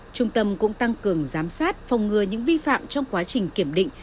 trung tâm cũng tăng cường giám sát phòng ngừa những vi phạm trong quá trình kiểm định